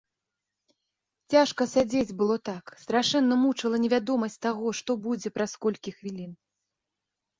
Цяжка сядзець было так, страшэнна мучыла невядомасць таго, што будзе праз колькі хвілін.